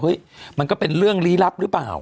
มันก็เป็นเรื่องลี้ลับหรือเปล่า